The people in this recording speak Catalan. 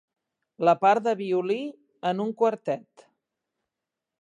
La part de violí en un quartet.